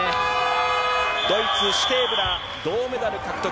ドイツ、シュテーブラー、銅メダル獲得。